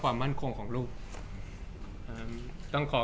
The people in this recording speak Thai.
จากความไม่เข้าจันทร์ของผู้ใหญ่ของพ่อกับแม่